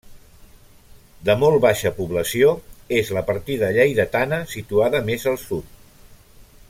De molt baixa població, és la partida lleidatana situada més al sud.